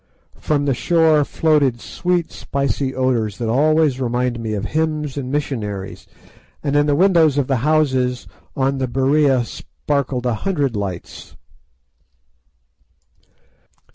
From the shore floated sweet spicy odours that always remind me of hymns and missionaries, and in the windows of the houses on the Berea sparkled a hundred lights.